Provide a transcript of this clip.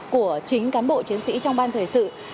của chính cán bộ chiến sĩ trong ban thời sự